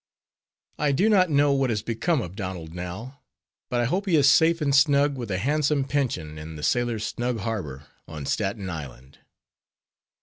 I do not know what has become of Donald now, but I hope he is safe and snug with a handsome pension in the "Sailors' Snug Harbor" on Staten Island.